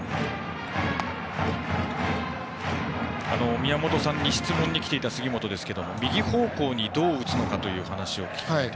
宮本さんに質問に来ていた杉本ですけれども右方向にどう打つかという話を聞いていて。